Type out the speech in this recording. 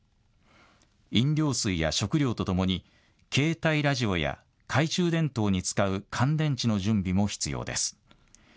飲料水や食料とともに、携帯ラジオや懐中電灯に使う乾電池の準備も必要です。